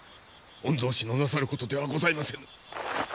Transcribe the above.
御曹司のなさることではございませぬ。